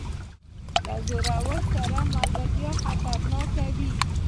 له زورور سره ملګرتیا خطرناکه وي.